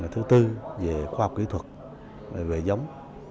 thứ tư về khoa học kỹ thuật về giống